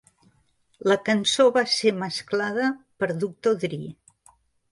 La cançó va ser mesclada per Doctor Dre.